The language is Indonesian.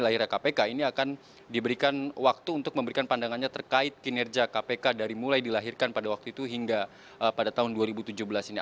lahirnya kpk ini akan diberikan waktu untuk memberikan pandangannya terkait kinerja kpk dari mulai dilahirkan pada waktu itu hingga pada tahun dua ribu tujuh belas ini